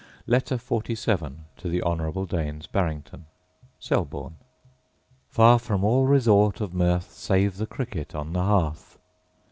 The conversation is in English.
Letter XLVII To The Honourable Daines Barrington Selborne. Far from all resort of mirth Save the cricket on the hearth.